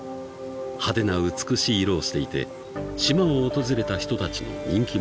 ［派手な美しい色をしていて島を訪れた人たちの人気者だ］